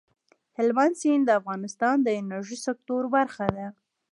هلمند سیند د افغانستان د انرژۍ سکتور برخه ده.